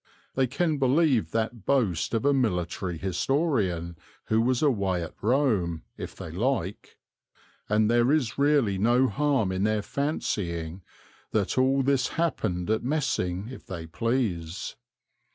They can believe that boast of a military historian who was away at Rome, if they like; and there is really no harm in their fancying that all this happened at Messing if they please.